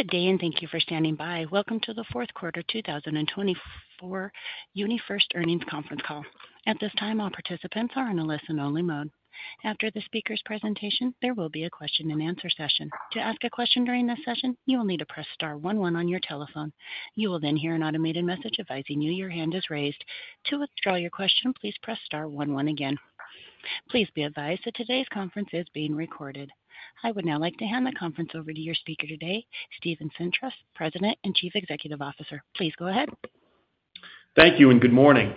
Good day, and thank you for standing by. Welcome to the Fourth Quarter 2024 UniFirst Earnings Conference Call. At this time, all participants are in a listen-only mode. After the speaker's presentation, there will be a question-and-answer session. To ask a question during this session, you will need to press star one one on your telephone. You will then hear an automated message advising you your hand is raised. To withdraw your question, please press star one one again. Please be advised that today's conference is being recorded. I would now like to hand the conference over to your speaker today, Steven Sintros, President and Chief Executive Officer. Please go ahead. Thank you and good morning.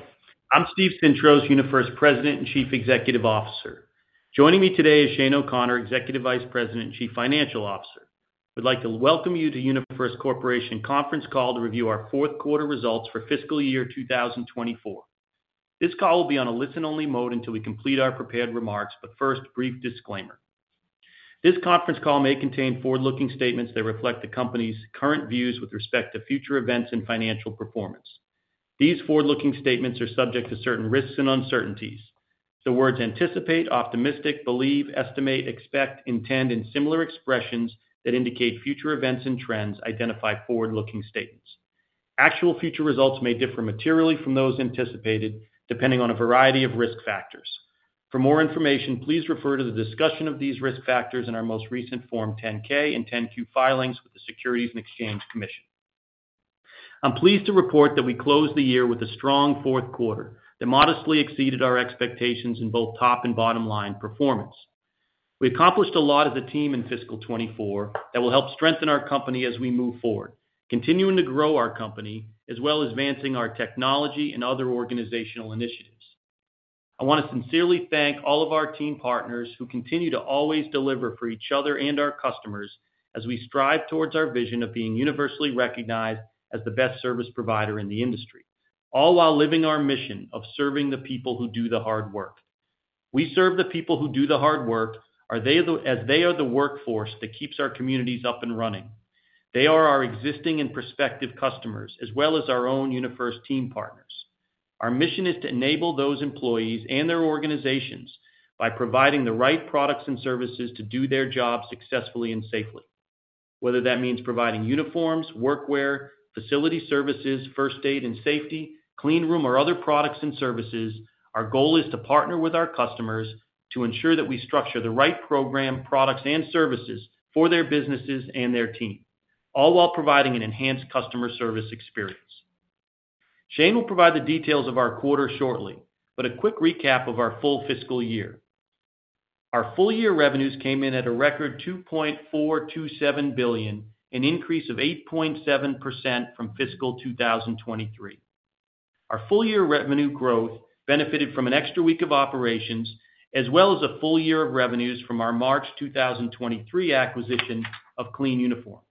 I'm Steven Sintros, UniFirst President and Chief Executive Officer. Joining me today is Shane O'Connor, Executive Vice President and Chief Financial Officer. We'd like to welcome you to UniFirst Corporation conference call to review our fourth quarter results for fiscal year two thousand and twenty-four. This call will be on a listen-only mode until we complete our prepared remarks, but first, a brief disclaimer. This conference call may contain forward-looking statements that reflect the company's current views with respect to future events and financial performance. These forward-looking statements are subject to certain risks and uncertainties. The words anticipate, optimistic, believe, estimate, expect, intend, and similar expressions that indicate future events and trends identify forward-looking statements. Actual future results may differ materially from those anticipated, depending on a variety of risk factors. For more information, please refer to the discussion of these risk factors in our most recent Form 10-K and 10-Q filings with the Securities and Exchange Commission. I'm pleased to report that we closed the year with a strong fourth quarter that modestly exceeded our expectations in both top and bottom line performance. We accomplished a lot as a team in fiscal 2024 that will help strengthen our company as we move forward, continuing to grow our company, as well as advancing our technology and other organizational initiatives. I want to sincerely thank all of our team partners who continue to always deliver for each other and our customers as we strive towards our vision of being universally recognized as the best service provider in the industry, all while living our mission of serving the people who do the hard work. We serve the people who do the hard work, as they are the workforce that keeps our communities up and running. They are our existing and prospective customers, as well as our own UniFirst team partners. Our mission is to enable those employees and their organizations by providing the right products and services to do their jobs successfully and safely. Whether that means providing uniforms, workwear, facility services, First Aid and Safety, cleanroom or other products and services, our goal is to partner with our customers to ensure that we structure the right program, products and services for their businesses and their team, all while providing an enhanced customer service experience. Shane will provide the details of our quarter shortly, but a quick recap of our full fiscal year. Our full year revenues came in at a record $2.427 billion, an increase of 8.7% from fiscal 2023. Our full year revenue growth benefited from an extra week of operations, as well as a full year of revenues from our March 2023 acquisition of Clean Uniform.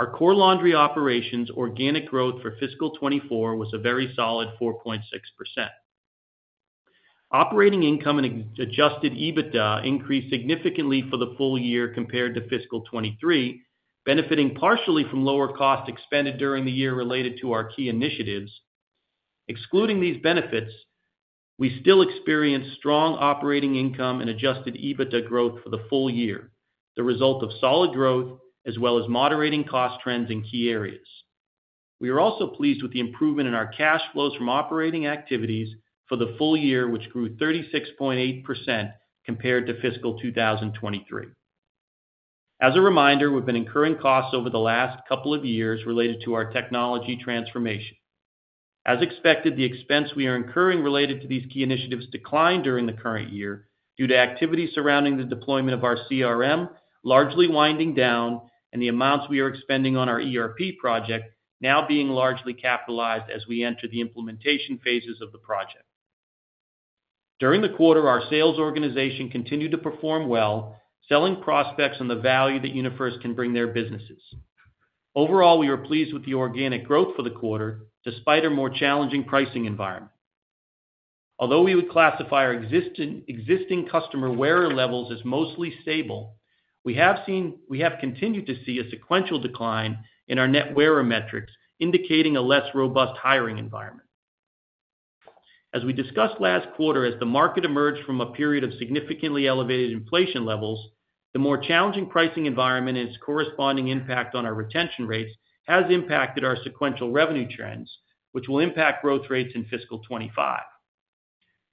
Our core laundry operations organic growth for fiscal 2024 was a very solid 4.6%. Operating income and Adjusted EBITDA increased significantly for the full year compared to fiscal 2023, benefiting partially from lower costs expended during the year related to our key initiatives. Excluding these benefits, we still experienced strong operating income and Adjusted EBITDA growth for the full year, the result of solid growth as well as moderating cost trends in key areas. We are also pleased with the improvement in our cash flows from operating activities for the full year, which grew 36.8% compared to fiscal 2023. As a reminder, we've been incurring costs over the last couple of years related to our technology transformation. As expected, the expense we are incurring related to these key initiatives declined during the current year due to activities surrounding the deployment of our CRM, largely winding down and the amounts we are expending on our ERP project now being largely capitalized as we enter the implementation phases of the project. During the quarter, our sales organization continued to perform well, selling prospects on the value that UniFirst can bring their businesses. Overall, we are pleased with the organic growth for the quarter, despite a more challenging pricing environment. Although we would classify our existing customer wearer levels as mostly stable, we have seen, we have continued to see a sequential decline in our net wearer metrics, indicating a less robust hiring environment. As we discussed last quarter, as the market emerged from a period of significantly elevated inflation levels, the more challenging pricing environment and its corresponding impact on our retention rates has impacted our sequential revenue trends, which will impact growth rates in fiscal 2025.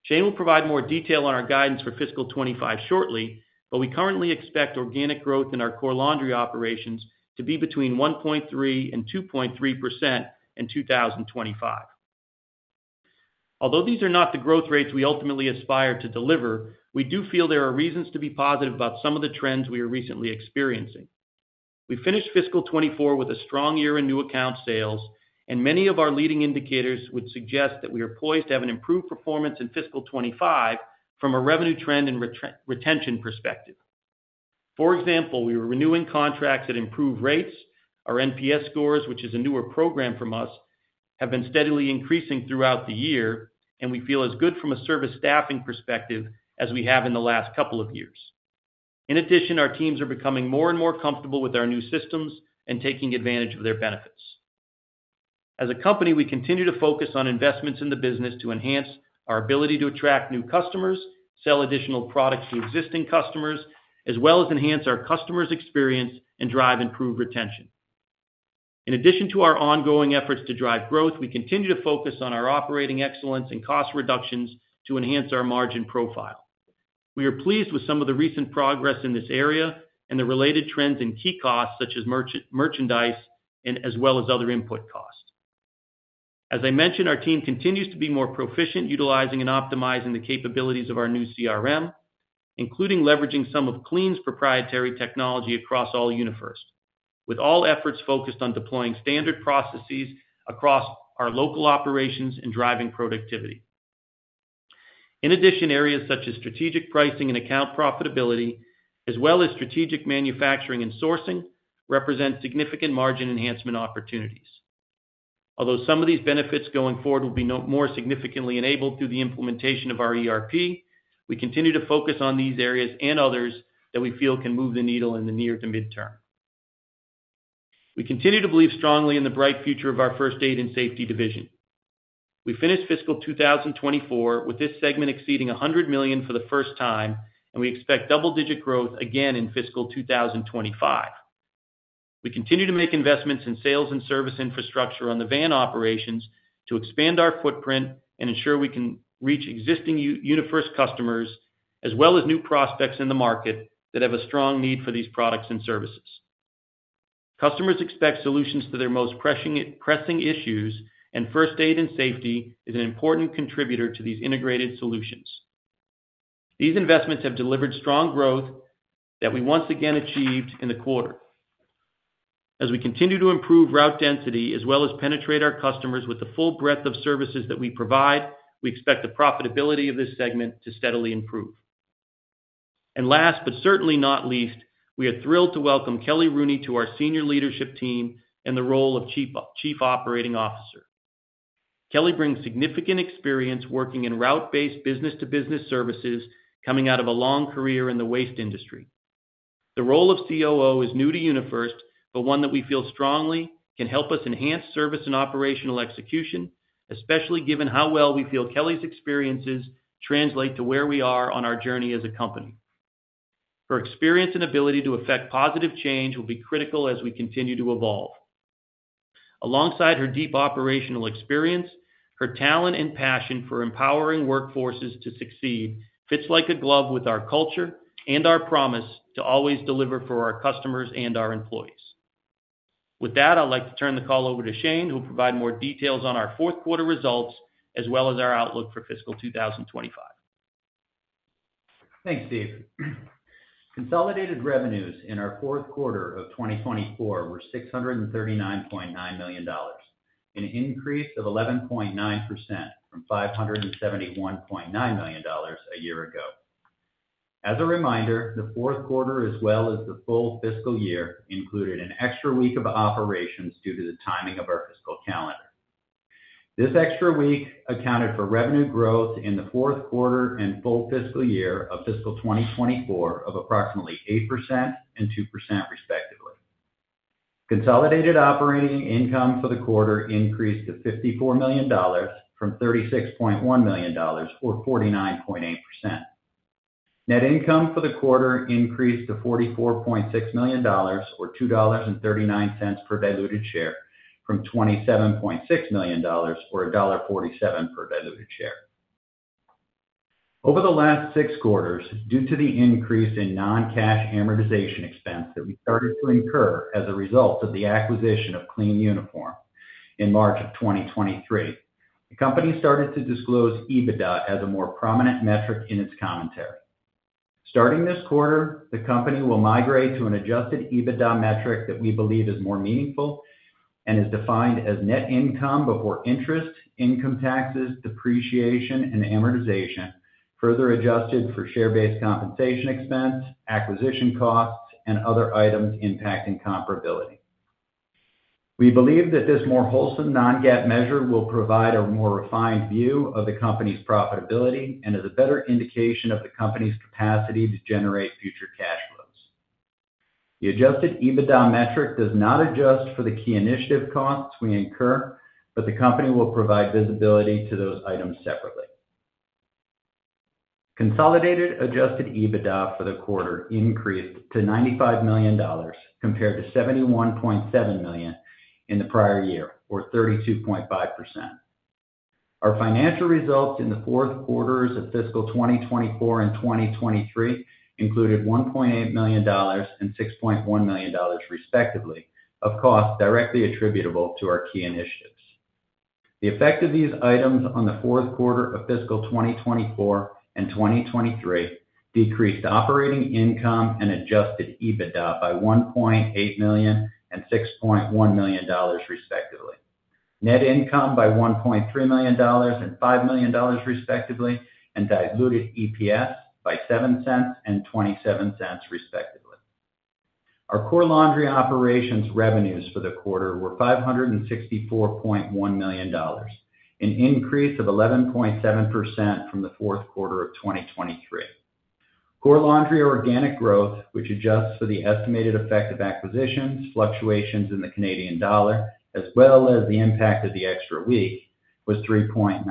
Shane will provide more detail on our guidance for fiscal 2025 shortly, but we currently expect organic growth in our core laundry operations to be between 1.3% and 2.3% in 2025. Although these are not the growth rates we ultimately aspire to deliver, we do feel there are reasons to be positive about some of the trends we are recently experiencing. We finished fiscal 2024 with a strong year in new account sales, and many of our leading indicators would suggest that we are poised to have an improved performance in fiscal 2025 from a revenue trend and retention perspective. For example, we were renewing contracts at improved rates. Our NPS scores, which is a newer program from us, have been steadily increasing throughout the year, and we feel as good from a service staffing perspective as we have in the last couple of years. In addition, our teams are becoming more and more comfortable with our new systems and taking advantage of their benefits. As a company, we continue to focus on investments in the business to enhance our ability to attract new customers, sell additional products to existing customers, as well as enhance our customers' experience and drive improved retention. In addition to our ongoing efforts to drive growth, we continue to focus on our operating excellence and cost reductions to enhance our margin profile. We are pleased with some of the recent progress in this area and the related trends in key costs, such as merchandise and as well as other input costs. As I mentioned, our team continues to be more proficient utilizing and optimizing the capabilities of our new CRM, including leveraging some of Clean's proprietary technology across all UniFirst, with all efforts focused on deploying standard processes across our local operations and driving productivity. In addition, areas such as strategic pricing and account profitability, as well as strategic manufacturing and sourcing, represent significant margin enhancement opportunities. Although some of these benefits going forward will be more significantly enabled through the implementation of our ERP, we continue to focus on these areas and others that we feel can move the needle in the near to midterm. We continue to believe strongly in the bright future of our First Aid and Safety division. We finished fiscal 2024 with this segment exceeding $100 million for the first time, and we expect double-digit growth again in fiscal 2025. We continue to make investments in sales and service infrastructure on the van operations to expand our footprint and ensure we can reach existing UniFirst customers, as well as new prospects in the market that have a strong need for these products and services. Customers expect solutions to their most pressing issues, and First Aid and Safety is an important contributor to these integrated solutions. These investments have delivered strong growth that we once again achieved in the quarter. As we continue to improve Route Density, as well as penetrate our customers with the full breadth of services that we provide, we expect the profitability of this segment to steadily improve. Last, but certainly not least, we are thrilled to welcome Kelly Rooney to our senior leadership team in the role of Chief Operating Officer. Kelly brings significant experience working in route-based business-to-business services, coming out of a long career in the waste industry. The role of COO is new to UniFirst, but one that we feel strongly can help us enhance service and operational execution, especially given how well we feel Kelly's experiences translate to where we are on our journey as a company. Her experience and ability to effect positive change will be critical as we continue to evolve. Alongside her deep operational experience, her talent and passion for empowering workforces to succeed fits like a glove with our culture and our promise to always deliver for our customers and our employees. With that, I'd like to turn the call over to Shane, who'll provide more details on our fourth quarter results, as well as our outlook for fiscal 2025. Thanks, Steve. Consolidated revenues in our fourth quarter of 2024 were $639.9 million, an increase of 11.9% from $571.9 million a year ago. As a reminder, the fourth quarter as well as the full fiscal year included an extra week of operations due to the timing of our fiscal calendar. This extra week accounted for revenue growth in the fourth quarter and full fiscal year of fiscal 2024 of approximately 8% and 2% respectively. Consolidated operating income for the quarter increased to $54 million from $36.1 million, or 49.8%. Net income for the quarter increased to $44.6 million, or $2.39 per diluted share, from $27.6 million, or $1.47 per diluted share. Over the last six quarters, due to the increase in non-cash amortization expense that we started to incur as a result of the acquisition of Clean Uniform in March 2023, the company started to disclose EBITDA as a more prominent metric in its commentary. Starting this quarter, the company will migrate to an adjusted EBITDA metric that we believe is more meaningful and is defined as net income before interest, income taxes, depreciation, and amortization, further adjusted for share-based compensation expense, acquisition costs, and other items impacting comparability. We believe that this more wholesome non-GAAP measure will provide a more refined view of the company's profitability and is a better indication of the company's capacity to generate future cash flows. The adjusted EBITDA metric does not adjust for the key initiative costs we incur, but the company will provide visibility to those items separately. Consolidated Adjusted EBITDA for the quarter increased to $95 million, compared to $71.7 million in the prior year, or 32.5%. Our financial results in the fourth quarters of fiscal 2024 and 2023 included $1.8 million and $6.1 million, respectively, of costs directly attributable to our key initiatives. The effect of these items on the fourth quarter of fiscal 2024 and 2023 decreased operating income and Adjusted EBITDA by $1.8 million and $6.1 million, respectively, net income by $1.3 million and $5 million, respectively, and diluted EPS by $0.07 and $0.27, respectively. Our Core Laundry operations revenues for the quarter were $564.1 million, an increase of 11.7% from the fourth quarter of 2023. Core Laundry organic growth, which adjusts for the estimated effect of acquisitions, fluctuations in the Canadian dollar, as well as the impact of the extra week, was 3.9%.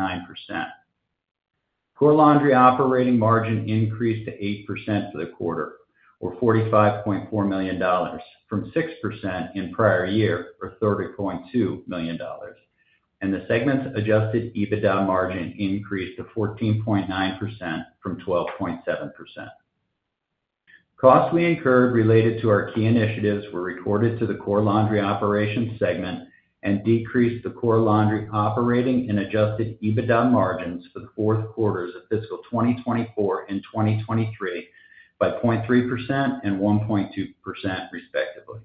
Core Laundry operating margin increased to 8% for the quarter, or $45.4 million, from 6% in prior year, or $30.2 million, and the segment's adjusted EBITDA margin increased to 14.9% from 12.7%. Costs we incurred related to our key initiatives were recorded to the Core Laundry operations segment and decreased the Core Laundry operating and adjusted EBITDA margins for the fourth quarters of fiscal 2024 and 2023 by 0.3% and 1.2%, respectively.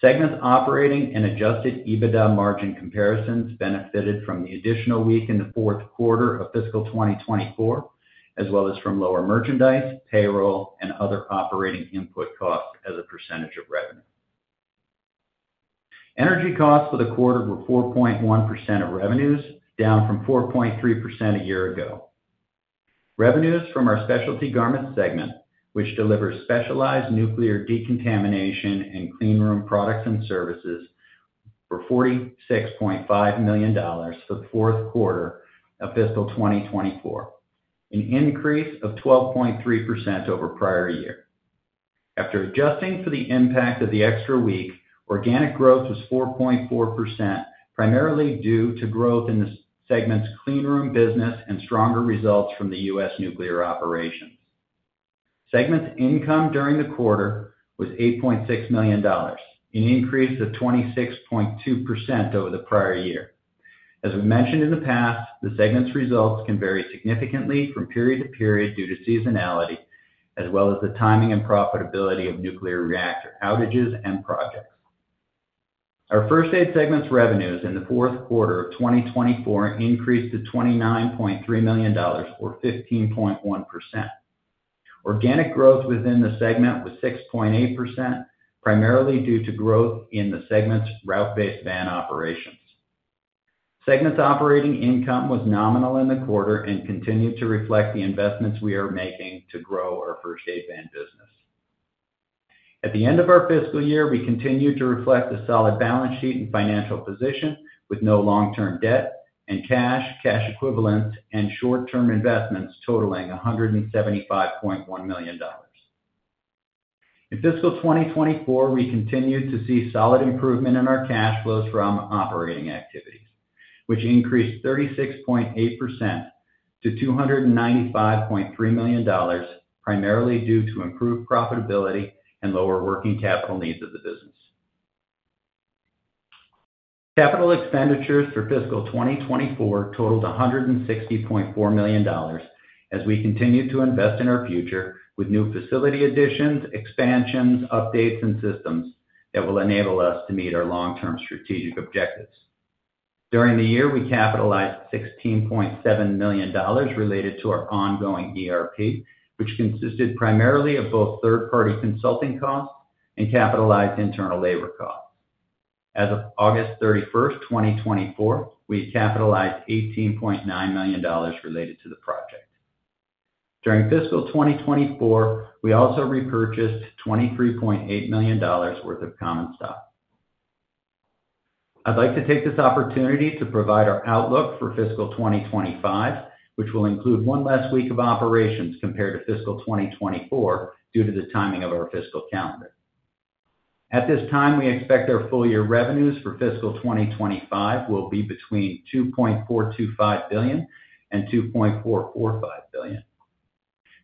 Segment's operating and adjusted EBITDA margin comparisons benefited from the additional week in the fourth quarter of fiscal 2024, as well as from lower merchandise, payroll, and other operating input costs as a percentage of revenue. Energy costs for the quarter were 4.1% of revenues, down from 4.3% a year ago. Revenues from our Specialty Garment segment, which delivers specialized nuclear decontamination and cleanroom products and services, were $46.5 million for the fourth quarter of fiscal 2024, an increase of 12.3% over prior year. After adjusting for the impact of the extra week, organic growth was 4.4%, primarily due to growth in the segment's cleanroom business and stronger results from the U.S. nuclear operations. Segment's income during the quarter was $8.6 million, an increase of 26.2% over the prior year. As we mentioned in the past, the segment's results can vary significantly from period to period due to seasonality, as well as the timing and profitability of nuclear reactor outages and projects. Our First Aid segment's revenues in the fourth quarter of 2024 increased to $29.3 million, or 15.1%. Organic growth within the segment was 6.8%, primarily due to growth in the segment's route-based van operations. Segment's operating income was nominal in the quarter and continued to reflect the investments we are making to grow our First Aid van business. At the end of our fiscal year, we continued to reflect a solid balance sheet and financial position, with no long-term debt and cash, cash equivalents, and short-term investments totaling $175.1 million. In fiscal 2024, we continued to see solid improvement in our cash flows from operating activities, which increased 36.8% to $295.3 million, primarily due to improved profitability and lower working capital needs of the business. Capital expenditures for fiscal 2024 totaled $160.4 million, as we continued to invest in our future with new facility additions, expansions, updates, and systems that will enable us to meet our long-term strategic objectives. During the year, we capitalized $16.7 million related to our ongoing ERP, which consisted primarily of both third-party consulting costs and capitalized internal labor costs. As of August 31, 2024, we had capitalized $18.9 million related to the project. During fiscal 2024, we also repurchased $23.8 million worth of common stock. I'd like to take this opportunity to provide our outlook for fiscal 2025, which will include one last week of operations compared to fiscal 2024 due to the timing of our fiscal calendar. At this time, we expect our full-year revenues for fiscal 2025 will be between $2.425 billion and $2.445 billion.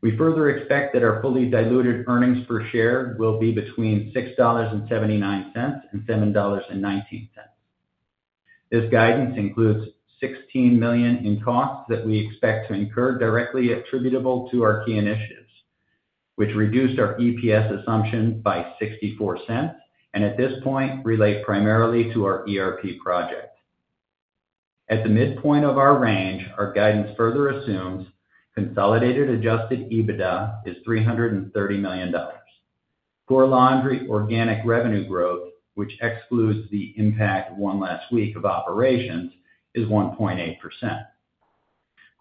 We further expect that our fully diluted earnings per share will be between $6.79 and $7.19. This guidance includes $16 million in costs that we expect to incur directly attributable to our key initiatives, which reduced our EPS assumptions by $0.64, and at this point, relate primarily to our ERP project. At the midpoint of our range, our guidance further assumes consolidated adjusted EBITDA is $330 million. Core Laundry organic revenue growth, which excludes the impact of one last week of operations, is 1.8%.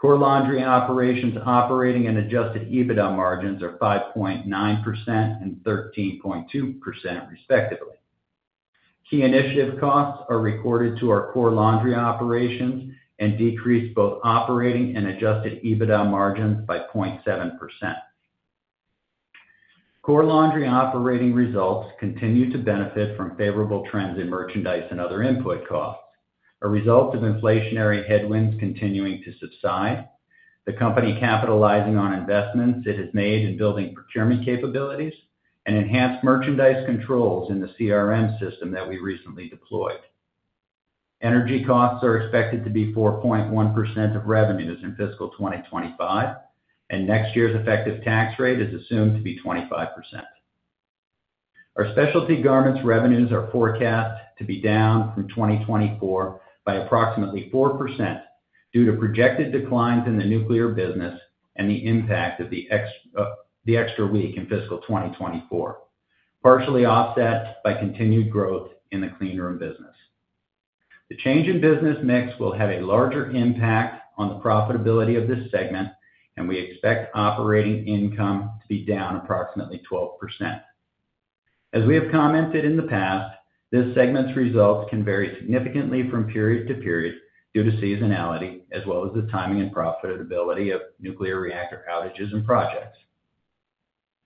Core Laundry operations operating and adjusted EBITDA margins are 5.9% and 13.2%, respectively. Key initiative costs are recorded to our Core Laundry operations and decrease both operating and adjusted EBITDA margins by 0.7%. Core Laundry operating results continue to benefit from favorable trends in merchandise and other input costs, a result of inflationary headwinds continuing to subside, the company capitalizing on investments it has made in building procurement capabilities, and enhanced merchandise controls in the CRM system that we recently deployed. Energy costs are expected to be 4.1% of revenues in fiscal 2025, and next year's effective tax rate is assumed to be 25%. Our Specialty Garments revenues are forecast to be down from 2024 by approximately 4% due to projected declines in the nuclear business and the impact of the extra week in fiscal 2024, partially offset by continued growth in the cleanroom business. ...The change in business mix will have a larger impact on the profitability of this segment, and we expect operating income to be down approximately 12%. As we have commented in the past, this segment's results can vary significantly from period to period due to seasonality, as well as the timing and profitability of nuclear reactor outages and projects.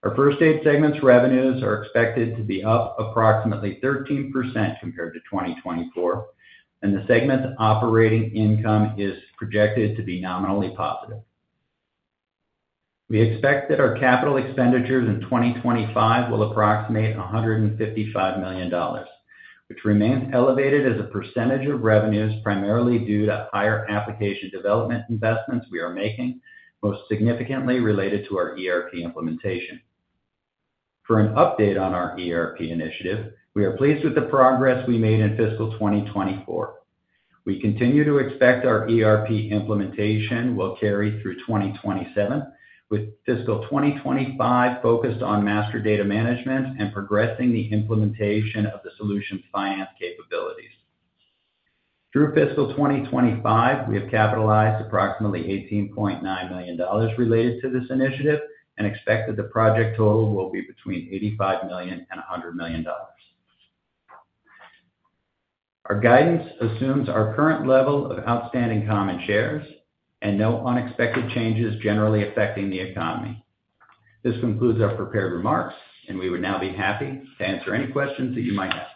Our First Aid segment's revenues are expected to be up approximately 13% compared to 2024, and the segment's operating income is projected to be nominally positive. We expect that our capital expenditures in 2025 will approximate $155 million, which remains elevated as a percentage of revenues, primarily due to higher application development investments we are making, most significantly related to our ERP implementation. For an update on our ERP initiative, we are pleased with the progress we made in fiscal 2024. We continue to expect our ERP implementation will carry through 2027, with fiscal 2025 focused on master data management and progressing the implementation of the solution's finance capabilities. Through fiscal 2025, we have capitalized approximately $18.9 million related to this initiative and expect that the project total will be between $85 million and $100 million. Our guidance assumes our current level of outstanding common shares and no unexpected changes generally affecting the economy. This concludes our prepared remarks, and we would now be happy to answer any questions that you might have.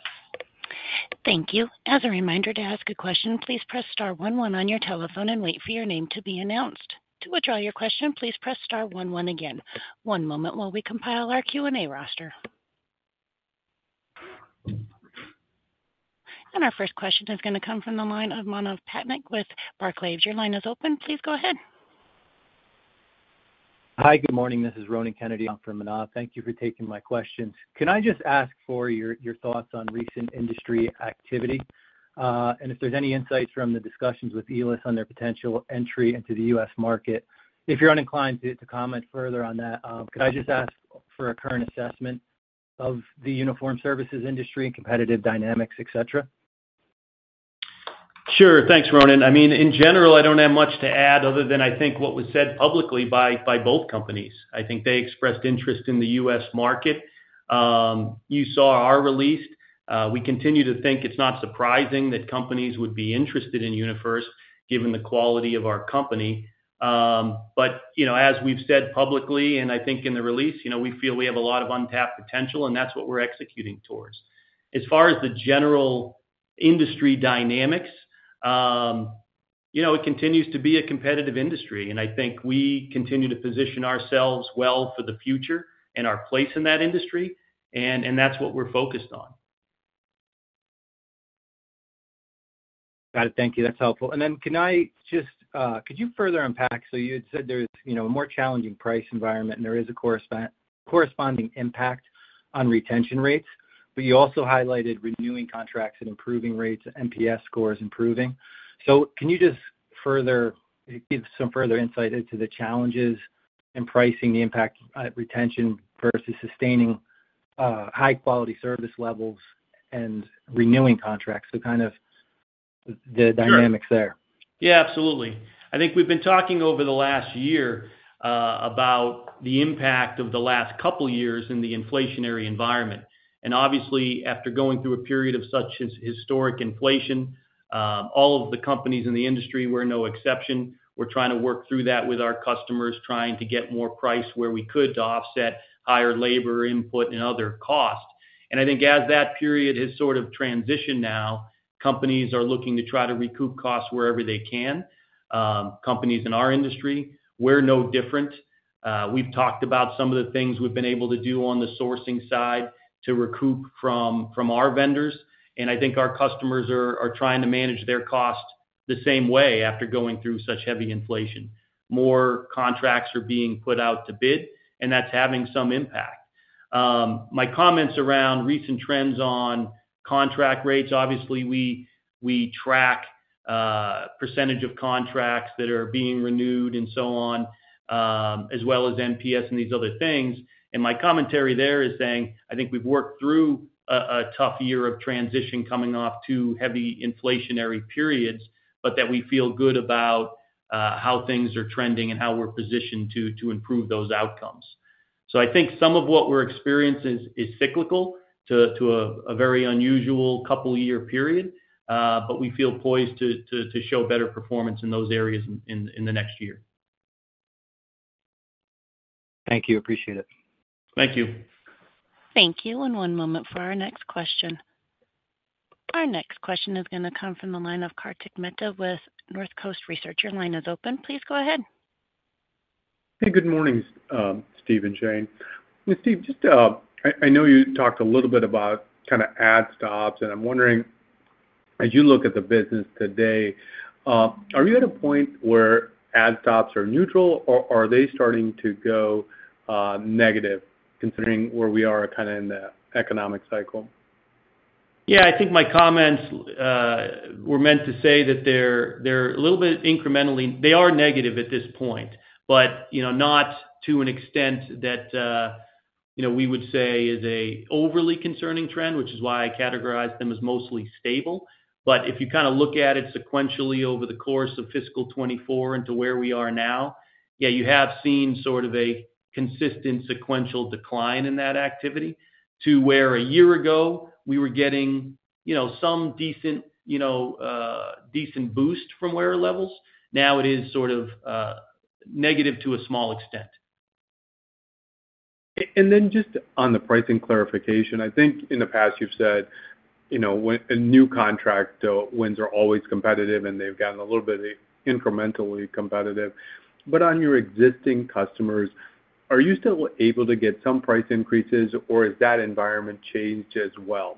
Thank you. As a reminder, to ask a question, please press star one one on your telephone and wait for your name to be announced. To withdraw your question, please press star one one again. One moment while we compile our Q&A roster. And our first question is gonna come from the line of Manav Patnaik with Barclays. Your line is open. Please go ahead. Hi, good morning. This is Ronan Kennedy on from Manav. Thank you for taking my questions. Can I just ask for your thoughts on recent industry activity, and if there's any insights from the discussions with Elis on their potential entry into the US market? If you're uninclined to comment further on that, could I just ask for a current assessment of the uniform services industry and competitive dynamics, et cetera? Sure. Thanks, Ronan. I mean, in general, I don't have much to add other than I think what was said publicly by both companies. I think they expressed interest in the US market. You saw our release. We continue to think it's not surprising that companies would be interested in UniFirst, given the quality of our company. But, you know, as we've said publicly, and I think in the release, you know, we feel we have a lot of untapped potential, and that's what we're executing towards. As far as the general industry dynamics, you know, it continues to be a competitive industry, and I think we continue to position ourselves well for the future and our place in that industry, and that's what we're focused on. Got it. Thank you. That's helpful. And then could you further unpack? So you had said there's, you know, a more challenging price environment, and there is a corresponding impact on retention rates, but you also highlighted renewing contracts and improving rates, NPS scores improving. So can you just further give some further insight into the challenges in pricing, the impact at retention versus sustaining high-quality service levels and renewing contracts? So kind of the dynamics there. Sure. Yeah, absolutely. I think we've been talking over the last year about the impact of the last couple of years in the inflationary environment. And obviously, after going through a period of such historic inflation, all of the companies in the industry were no exception. We're trying to work through that with our customers, trying to get more price where we could to offset higher labor input and other costs. And I think as that period has sort of transitioned now, companies are looking to try to recoup costs wherever they can. Companies in our industry, we're no different. We've talked about some of the things we've been able to do on the sourcing side to recoup from our vendors, and I think our customers are trying to manage their costs the same way after going through such heavy inflation. More contracts are being put out to bid, and that's having some impact. My comments around recent trends on contract rates, obviously, we track percentage of contracts that are being renewed and so on, as well as NPS and these other things. My commentary there is saying, I think we've worked through a tough year of transition coming off two heavy inflationary periods, but that we feel good about how things are trending and how we're positioned to improve those outcomes. I think some of what we're experiencing is cyclical to a very unusual couple year period, but we feel poised to show better performance in those areas in the next year. Thank you. Appreciate it. Thank you. Thank you, and one moment for our next question. Our next question is gonna come from the line of Kartik Mehta with North Coast Research. Your line is open. Please go ahead. Hey, good morning, Steve and Shane. Steve, just, I know you talked a little bit about kind of Adds/Stops, and I'm wondering, as you look at the business today, are you at a point where Adds/Stops are neutral, or are they starting to go, negative, considering where we are kind of in the economic cycle? Yeah, I think my comments were meant to say that they're, they're a little bit incrementally, they are negative at this point, but, you know, not to an extent that you know, we would say is an overly concerning trend, which is why I categorized them as mostly stable. But if you kind of look at it sequentially over the course of fiscal 2024 into where we are now, yeah, you have seen sort of a consistent sequential decline in that activity to where a year ago we were getting, you know, some decent, you know, decent boost from wear levels. Now it is sort of negative to a small extent. Just on the pricing clarification, I think in the past you've said, you know, when a new contract wins are always competitive, and they've gotten a little bit incrementally competitive. But on your existing customers, are you still able to get some price increases, or has that environment changed as well?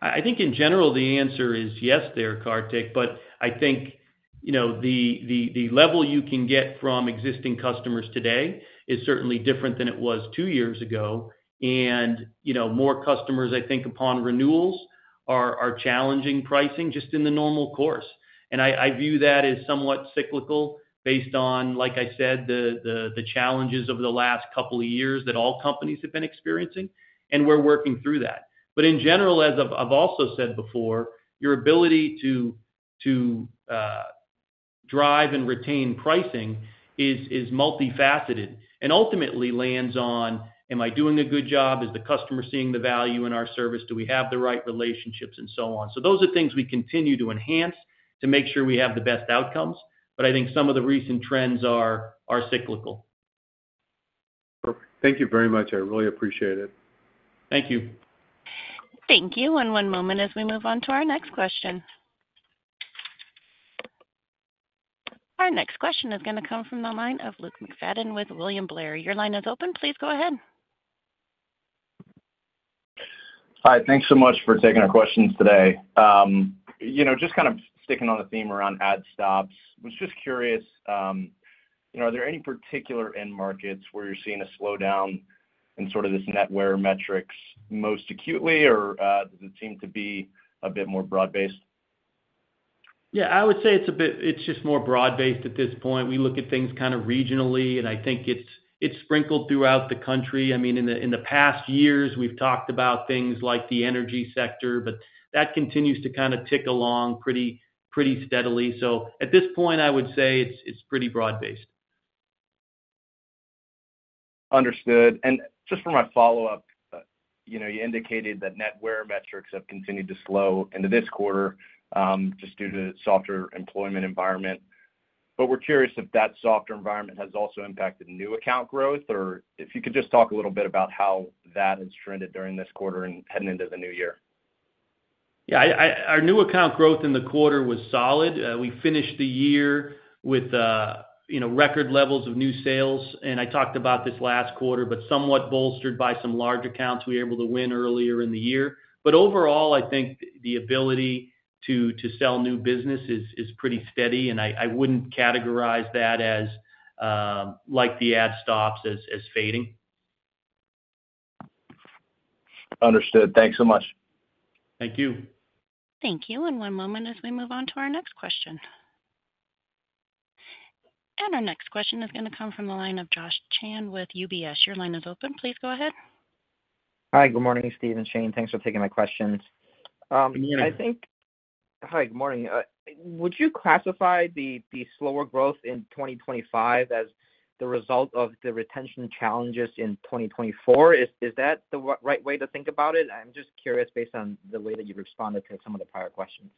I think in general, the answer is yes there, Kartik, but I think, you know, the level you can get from existing customers today is certainly different than it was two years ago. And, you know, more customers, I think, upon renewals, are challenging pricing just in the normal course. And I view that as somewhat cyclical based on, like I said, the challenges over the last couple of years that all companies have been experiencing, and we're working through that. But in general, as I've also said before, your ability to drive and retain pricing is multifaceted and ultimately lands on, am I doing a good job? Is the customer seeing the value in our service? Do we have the right relationships, and so on. So those are things we continue to enhance to make sure we have the best outcomes, but I think some of the recent trends are cyclical. Thank you very much. I really appreciate it. Thank you. Thank you, and one moment as we move on to our next question. Our next question is gonna come from the line of Luke McFadden with William Blair. Your line is open. Please go ahead. Hi, thanks so much for taking our questions today. You know, just kind of sticking on the theme around Adds/Stops. I was just curious, you know, are there any particular end markets where you're seeing a slowdown in sort of this net wear metrics most acutely, or, does it seem to be a bit more broad-based? Yeah, I would say it's a bit. It's just more broad-based at this point. We look at things kind of regionally, and I think it's sprinkled throughout the country. I mean, in the past years, we've talked about things like the energy sector, but that continues to kind of tick along pretty steadily. So at this point, I would say it's pretty broad-based. Understood. And just for my follow-up, you know, you indicated that net wear metrics have continued to slow into this quarter, just due to softer employment environment. But we're curious if that softer environment has also impacted new account growth, or if you could just talk a little bit about how that has trended during this quarter and heading into the new year? Yeah, our new account growth in the quarter was solid. We finished the year with, you know, record levels of new sales, and I talked about this last quarter, but somewhat bolstered by some large accounts we were able to win earlier in the year. But overall, I think the ability to sell new business is pretty steady, and I wouldn't categorize that as, like the Adds/Stops, as fading. Understood. Thanks so much. Thank you. Thank you. And one moment as we move on to our next question. And our next question is gonna come from the line of Josh Chan with UBS. Your line is open. Please go ahead. Hi, good morning, Steve and Shane. Thanks for taking my questions. I think- Good morning. Hi, good morning. Would you classify the slower growth in twenty twenty-five as the result of the retention challenges in twenty twenty-four? Is that the right way to think about it? I'm just curious, based on the way that you've responded to some of the prior questions.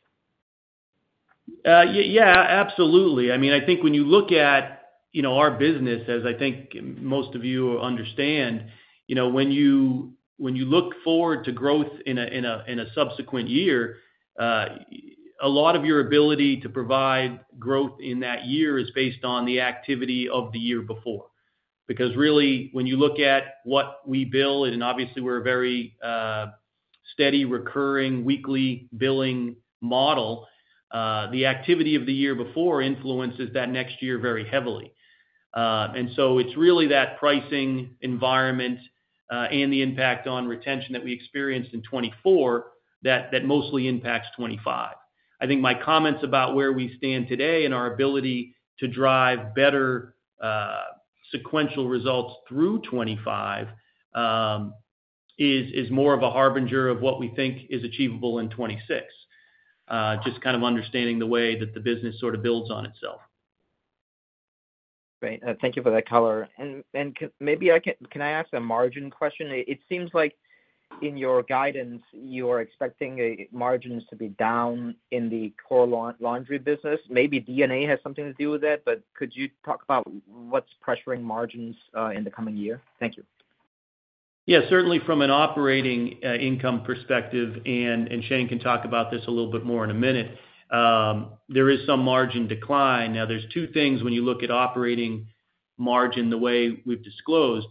Yeah, absolutely. I mean, I think when you look at, you know, our business, as I think most of you understand, you know, when you look forward to growth in a subsequent year, a lot of your ability to provide growth in that year is based on the activity of the year before. Because really, when you look at what we bill, and obviously we're a very steady, recurring, weekly billing model, the activity of the year before influences that next year very heavily. And so it's really that pricing environment and the impact on retention that we experienced in 2024, that mostly impacts 2025. I think my comments about where we stand today and our ability to drive better sequential results through 2025 is more of a harbinger of what we think is achievable in 2026. Just kind of understanding the way that the business sort of builds on itself. Great. Thank you for that color. Maybe I can ask a margin question? It seems like in your guidance, you are expecting margins to be down in the core laundry business. Maybe D&A has something to do with that, but could you talk about what's pressuring margins in the coming year? Thank you. Yeah, certainly from an operating income perspective, and Shane can talk about this a little bit more in a minute, there is some margin decline. Now, there's two things when you look at operating margin the way we've disclosed.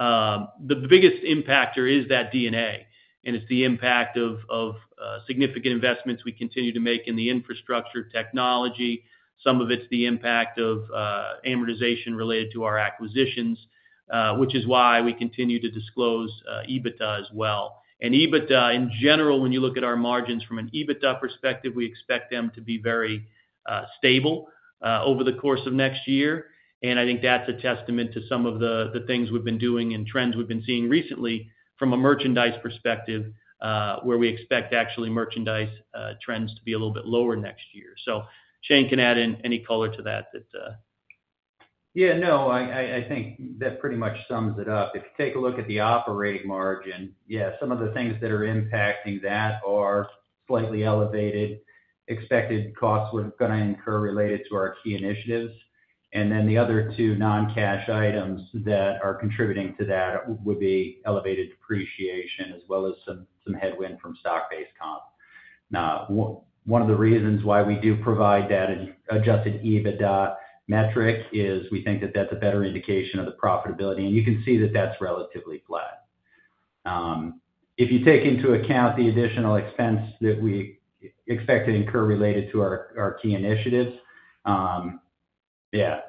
The biggest impacter is the mix, and it's the impact of significant investments we continue to make in the infrastructure technology. Some of it's the impact of amortization related to our acquisitions, which is why we continue to disclose EBITDA as well, and EBITDA, in general, when you look at our margins from an EBITDA perspective, we expect them to be very stable over the course of next year. And I think that's a testament to some of the things we've been doing and trends we've been seeing recently from a merchandise perspective, where we expect actually merchandise trends to be a little bit lower next year. So Shane can add in any color to that. Yeah, no, I think that pretty much sums it up. If you take a look at the operating margin, yeah, some of the things that are impacting that are slightly elevated, expected costs we're gonna incur related to our key initiatives. And then the other two non-cash items that are contributing to that would be elevated depreciation as well as some headwind from stock-based comp. Now, one of the reasons why we do provide that adjusted EBITDA metric is we think that that's a better indication of the profitability, and you can see that that's relatively flat. If you take into account the additional expense that we expect to incur related to our key initiatives, yeah,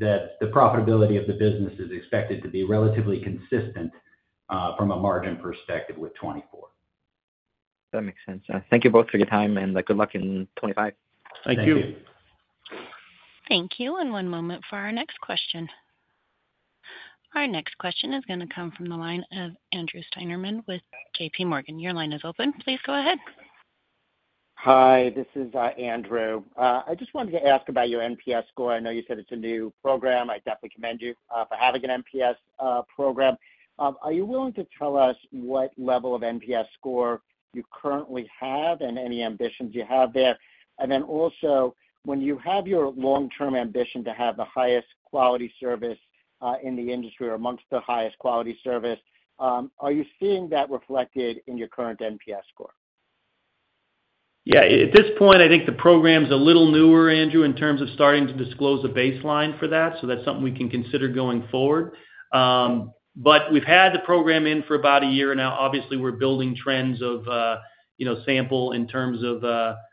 that the profitability of the business is expected to be relatively consistent, from a margin perspective with 2024. That makes sense. Thank you both for your time, and good luck in 2025. Thank you. Thank you. And one moment for our next question. Our next question is gonna come from the line of Andrew Steinerman with J.P. Morgan. Your line is open. Please go ahead. Hi, this is Andrew. I just wanted to ask about your NPS score. I know you said it's a new program. I definitely commend you for having an NPS program. Are you willing to tell us what level of NPS score you currently have and any ambitions you have there? And then also, when you have your long-term ambition to have the highest quality service in the industry or amongst the highest quality service, are you seeing that reflected in your current NPS score? Yeah. At this point, I think the program's a little newer, Andrew, in terms of starting to disclose a baseline for that, so that's something we can consider going forward. But we've had the program in for about a year now. Obviously, we're building trends of, you know, sample in terms of,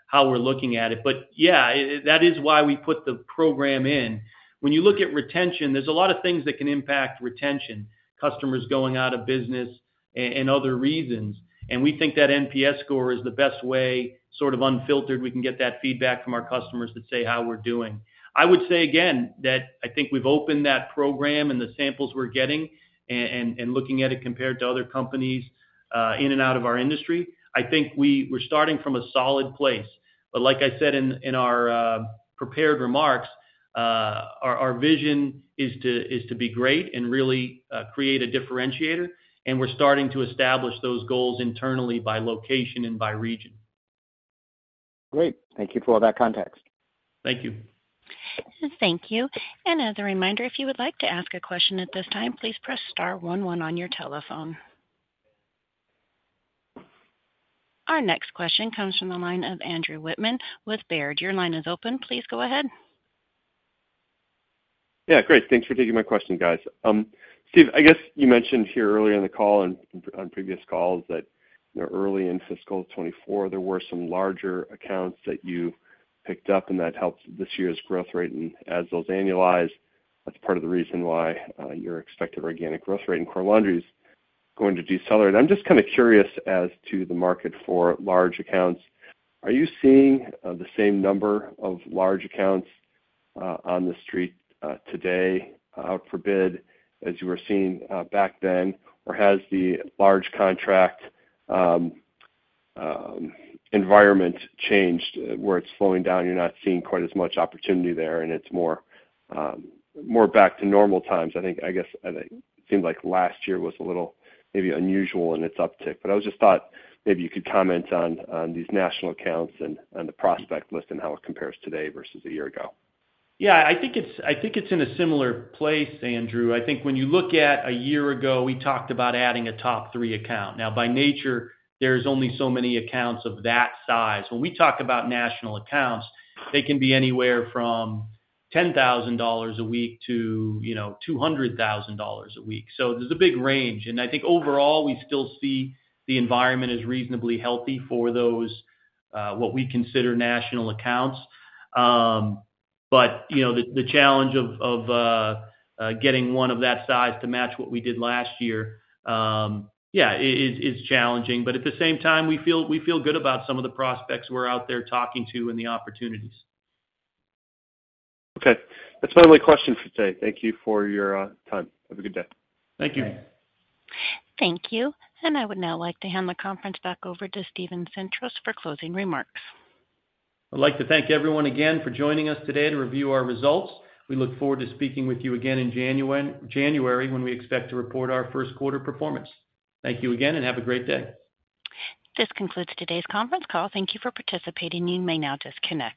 how we're looking at it. But yeah, that is why we put the program in. When you look at retention, there's a lot of things that can impact retention, customers going out of business and other reasons. And we think that NPS score is the best way, sort of unfiltered, we can get that feedback from our customers to say how we're doing. I would say again, that I think we've opened that program and the samples we're getting and looking at it compared to other companies in and out of our industry. I think we're starting from a solid place. But like I said in our prepared remarks, our vision is to be great and really create a differentiator, and we're starting to establish those goals internally, by location and by region. Great. Thank you for all that context. Thank you. Thank you. And as a reminder, if you would like to ask a question at this time, please press star one one on your telephone. Our next question comes from the line of Andrew Whitman with Baird. Your line is open. Please go ahead. Yeah, great. Thanks for taking my question, guys. Steve, I guess you mentioned here earlier in the call and on previous calls that early in fiscal twenty-four, there were some larger accounts that you picked up, and that helped this year's growth rate. And as those annualize, that's part of the reason why your expected organic growth rate in core laundry is going to decelerate. I'm just kind of curious as to the market for large accounts. Are you seeing the same number of large accounts on the street today, god forbid, as you were seeing back then? Or has the large contract environment changed, where it's slowing down, you're not seeing quite as much opportunity there, and it's more back to normal times? I think it seemed like last year was a little maybe unusual in its uptick. But I just thought maybe you could comment on these national accounts and the prospect list and how it compares today versus a year ago. Yeah, I think it's in a similar place, Andrew. I think when you look at a year ago, we talked about adding a top three account. Now, by nature, there's only so many accounts of that size. When we talk about national accounts, they can be anywhere from $10,000 a week to, you know, $200,000 a week. So there's a big range, and I think overall, we still see the environment as reasonably healthy for those, what we consider national accounts. But, you know, the challenge of getting one of that size to match what we did last year, yeah, it is challenging. But at the same time, we feel good about some of the prospects we're out there talking to and the opportunities. Okay. That's my only question for today. Thank you for your time. Have a good day. Thank you. Thank you. And I would now like to hand the conference back over to Steven Sintros for closing remarks. I'd like to thank everyone again for joining us today to review our results. We look forward to speaking with you again in January, when we expect to report our first quarter performance. Thank you again, and have a great day. This concludes today's conference call. Thank you for participating. You may now disconnect.